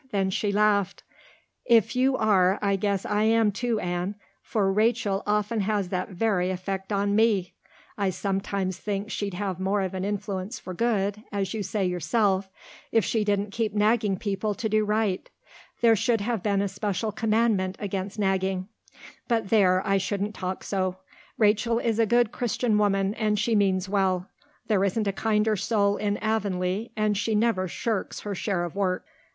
Then she laughed. "If you are I guess I am too, Anne, for Rachel often has that very effect on me. I sometimes think she'd have more of an influence for good, as you say yourself, if she didn't keep nagging people to do right. There should have been a special commandment against nagging. But there, I shouldn't talk so. Rachel is a good Christian woman and she means well. There isn't a kinder soul in Avonlea and she never shirks her share of work."